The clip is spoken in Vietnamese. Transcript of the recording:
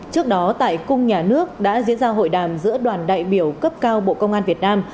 trước đó tại cung nhà nước đã diễn ra hội đàm giữa đoàn đại biểu cấp cao bộ công an việt nam